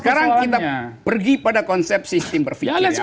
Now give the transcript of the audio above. sekarang kita pergi pada konsep sistem berpikir